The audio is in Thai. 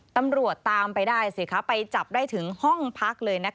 ตำรวจตามไปได้สิคะไปจับได้ถึงห้องพักเลย